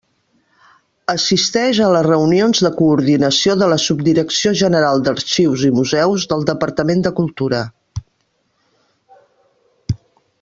Assisteix a les reunions de coordinació de la Subdirecció General d'Arxius i Museus del Departament de Cultura.